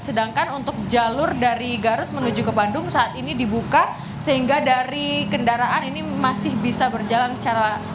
sedangkan untuk jalur dari garut menuju ke bandung saat ini dibuka sehingga dari kendaraan ini masih bisa berjalan secara